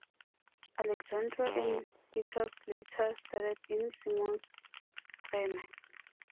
Alexander and Peters later starred in Simon's "Treme".